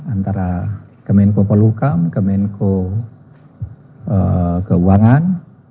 antara kemenko pelukam kemenko keuangan